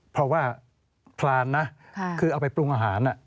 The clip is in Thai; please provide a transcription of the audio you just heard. เพราะว่าพรานนะคือเอาไปปรุงอาหาร